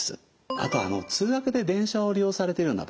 あと通学で電車を利用されてるような場合。